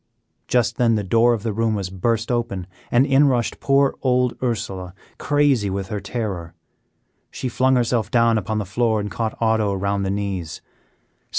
Just then the door of the room was burst open, and in rushed poor old Ursela, crazy with her terror. She flung herself down upon the floor and caught Otto around the knees.